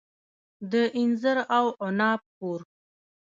د انځر او عناب کور.